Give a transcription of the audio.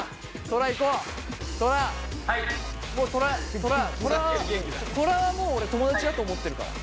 トラはもう俺友だちだと思ってるから。